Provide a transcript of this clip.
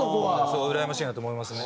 うらやましいなと思いますね。